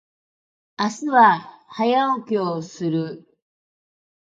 明日は早起きをする。